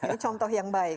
ini contoh yang baik